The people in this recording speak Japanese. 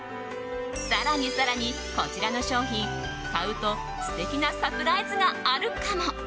更に更に、こちらの商品買うと素敵なサプライズがあるかも。